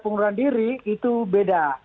pengurahan diri itu beda